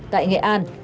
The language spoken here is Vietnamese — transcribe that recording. tại nghệ an